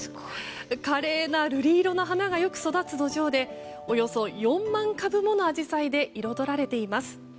華麗な瑠璃色の花がよく育つ土壌でおよそ４万株ものアジサイで彩られています。